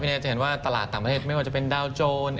จะเห็นว่าตลาดต่างประเทศไม่ว่าจะเป็นดาวโจร